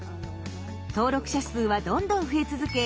登録者数はどんどん増え続け